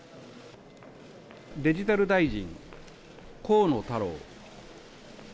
デジタル大臣、河野太郎。